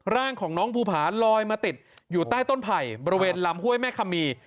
ร่างของน้องภูผาลอยมาติดอยู่ใต้ต้นไผ่บริเวณลำห้วยแม่คำมี